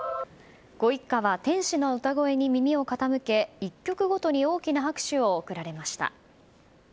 ご一家は天使の歌声に耳を傾け１曲ごとに大きな拍手を送られました。